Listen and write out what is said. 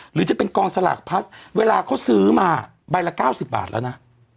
หรือจะเป็นกองสลากพลัสเวลาเขาซื้อมาใบละ๙๐บาทแล้วนะ